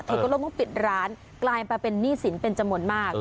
เธอก็ต้องปิดร้านกลายเป็นหนี้สินเป็นจมนต์มาก